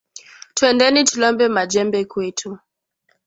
Twendeni tulombe ma jembe kwetu